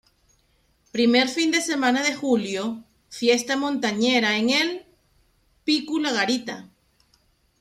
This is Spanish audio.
Primer fin de semana de julio, Fiesta montañera en el "Picu la Garita".